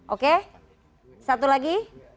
oke satu lagi